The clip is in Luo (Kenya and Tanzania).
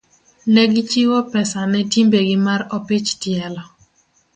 ne gichiwo pesa ne timbegi mar opich tielo.